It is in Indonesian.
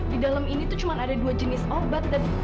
di dalam ini tuh cuma ada dua jenis obat